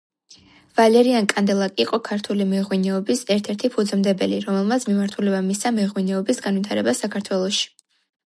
ვალერიან კანდელაკი იყო ქართული მეღვინეობის ერთ-ერთი ფუძემდებელი, რომელმაც მიმართულება მისცა მეღვინეობის განვითარებას საქართველოში.